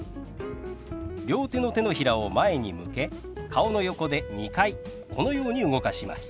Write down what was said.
両手の手のひらを前に向け顔の横で２回このように動かします。